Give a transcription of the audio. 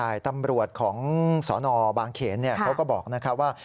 ใช่ตำรวจของสนบางเขนเขาก็บอกนะครับว่า